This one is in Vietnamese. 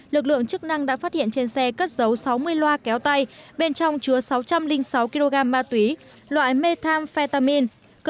lực lượng chức năng đã phát hiện trên xe cất dấu sáu mươi loa kéo tay bên trong chứa sáu trăm linh sáu kg ma túy loại methamphetamine